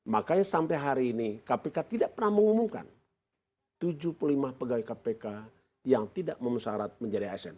makanya sampai hari ini kpk tidak pernah mengumumkan tujuh puluh lima pegawai kpk yang tidak memenuhi syarat menjadi asn